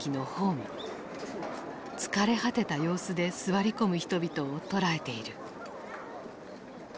疲れ果てた様子で座り込む人々を捉えている。